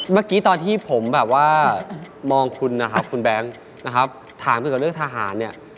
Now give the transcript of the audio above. เมื่อกี้ตอนที่ผมแบบว่ามองคุณนะครับคุณแบงค์นะครับถามเกี่ยวกับเรื่องทหารเนี่ย